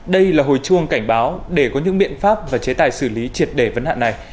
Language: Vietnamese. đây là hồi chuông cảnh báo để có những biện pháp và chế tài xử lý triệt đề vấn hạn này